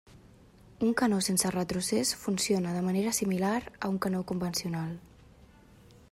Un canó sense retrocés funciona de manera similar a un canó convencional.